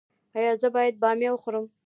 ایا زه باید بامیه وخورم؟